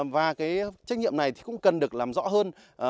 và trách nhiệm này cũng cần được làm rõ hơn